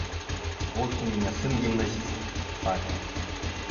Вот у меня сын гимназист – Павел